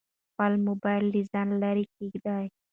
خپل موبایل له ځانه لیرې کېږده.